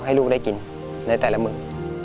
ให้ลูกได้กินในแต่ละหมึก